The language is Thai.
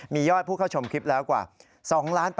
มียอดผู้เข้าชมคลิปแล้วกว่า๒๘๘๘๐๐๐ครั้ง